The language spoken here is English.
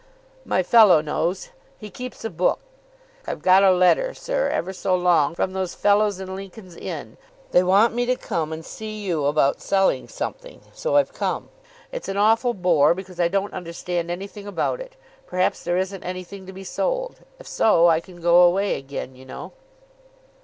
"My fellow knows; he keeps a book. I've got a letter, sir, ever so long, from those fellows in Lincoln's Inn. They want me to come and see you about selling something; so I've come. It's an awful bore, because I don't understand anything about it. Perhaps there isn't anything to be sold. If so I can go away again, you know."